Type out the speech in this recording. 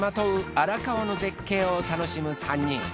荒川の絶景を楽しむ３人。